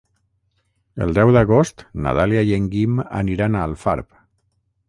El deu d'agost na Dàlia i en Guim aniran a Alfarb.